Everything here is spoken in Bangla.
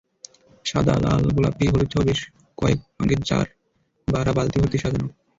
লাল, সাদা, গোলাপি, হলুদসহ বেশ কয়েক রঙের জারবারা বালতি ভর্তি সাজানো।